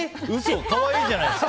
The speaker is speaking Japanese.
可愛いじゃないですか。